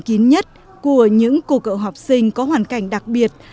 mơ kín nhất của những cổ cậu học sinh có hoàn cảnh đặc biệt